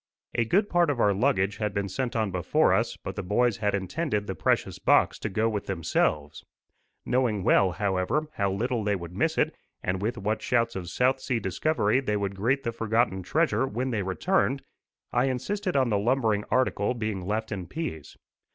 A good part of our luggage had been sent on before us, but the boys had intended the precious box to go with themselves. Knowing well, however, how little they would miss it, and with what shouts of south sea discovery they would greet the forgotten treasure when they returned, I insisted on the lumbering article being left in peace.